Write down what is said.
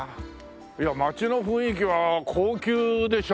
いや街の雰囲気は高級でしょう。